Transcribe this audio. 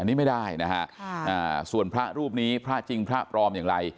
อันนี้ไม่ได้นะฮะส่วนพระรูปนี้พระจริงพระปลอมอย่างไร